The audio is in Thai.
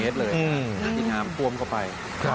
ที่น้ำท่วมเข้าไป